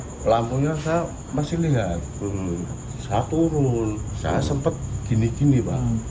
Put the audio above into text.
selamanya saya masih lihat saat turun saya sempet gini gini pak